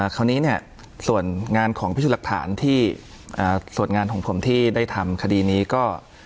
คราวนี้เนี่ยส่วนงานของพิสูจน์หลักฐานที่ส่วนงานของผมที่ได้ทำคดีนี้ก็